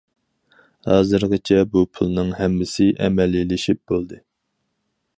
ھازىرغىچە بۇ پۇلنىڭ ھەممىسى ئەمەلىيلىشىپ بولدى.